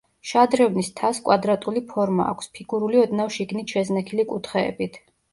შადრევნის თასს კვადრატული ფორმა აქვს, ფიგურული ოდნავ შიგნით შეზნექილი კუთხეებით.